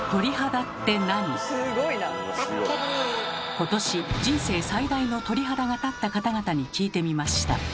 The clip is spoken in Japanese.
今年人生最大の鳥肌が立った方々に聞いてみました。